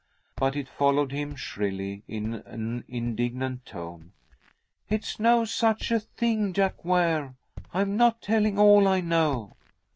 But it followed him shrilly in an indignant tone: "It's no such a thing, Jack Ware! I'm not telling all I know."